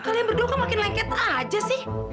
kalian berdua makin lengket aja sih